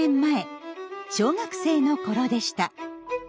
小学生のころでした。